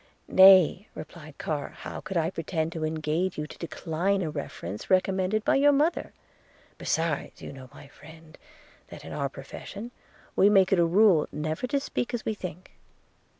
'Nay,' replied Carr, 'how could I pretend to engage you to decline a reference recommended by your mother? Besides, you know, my friend, that in our profession we make it a rule never to speak as we think.